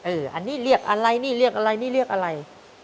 อันนี้เรียกอะไรนี่เรียกอะไรนี่เรียกอะไร